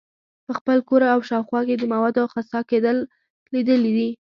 په خپل کور او شاوخوا کې د موادو خسا کیدل لیدلي دي.